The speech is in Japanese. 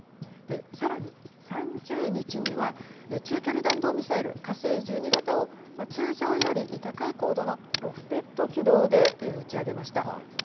さらに３０日には、中距離弾道ミサイル火星１２型を、通常より高い高度のロフテッド軌道で打ち上げました。